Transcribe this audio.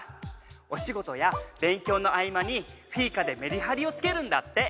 お仕事や勉強の合間にフィーカでめりはりをつけるんだって。